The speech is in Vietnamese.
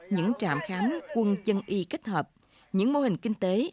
những trạm khám quân chân y kết hợp những mô hình kinh tế